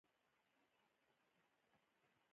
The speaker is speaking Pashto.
زه نشم کولی د داسې لوحې سره ژوند وکړم